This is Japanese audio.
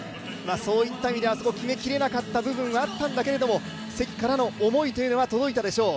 そういった意味であそこ決めきれなかった部分はあったんだけれども、関からの思いというのは届いたでしょう。